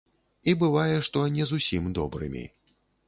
І бывае, што не зусім добрымі.